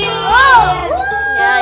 tuh dengerin tuh